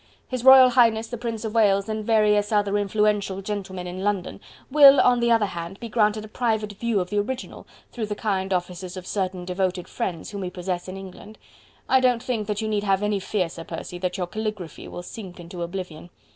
His Royal Highness the Prince of Wales, and various other influential gentlemen in London, will, on the other hand, be granted a private view of the original through the kind offices of certain devoted friends whom we possess in England.... I don't think that you need have any fear, Sir Percy, that your caligraphy will sink into oblivion.